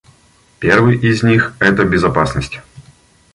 Первый из них — это безопасность.